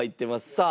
さあ。